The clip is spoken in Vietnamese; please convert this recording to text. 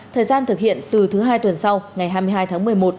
thời gian thực hiện từ thứ hai tuần sau ngày hai mươi hai tháng một mươi một